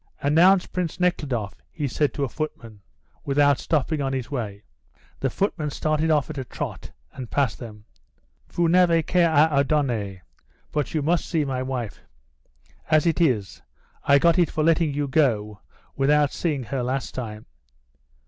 "Announce Prince Nekhludoff," he said to a footman, without stopping on his way. The footman started off at a trot and passed them. "Vous n'avez qu' a ordonner. But you must see my wife. As it is, I got it for letting you go without seeing her last time."